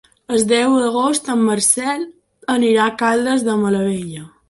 El deu d'agost en Marcel irà a Caldes de Malavella.